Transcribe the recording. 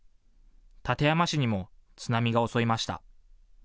館山市にも津波が襲いました。